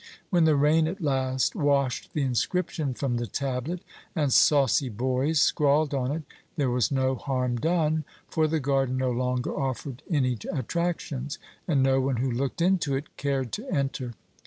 When the rain at last washed the inscription from the tablet, and saucy boys scrawled on it, there was no harm done; for the garden no longer offered any attractions, and no one who looked into it cared to enter.